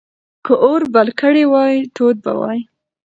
که اور بل کړی وای، تود به وای.